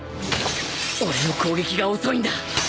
俺の攻撃が遅いんだ